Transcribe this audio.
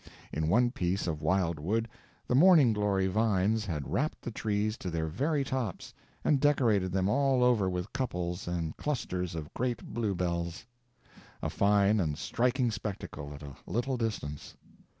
In one piece of wild wood the morning glory vines had wrapped the trees to their very tops, and decorated them all over with couples and clusters of great bluebells a fine and striking spectacle, at a little distance.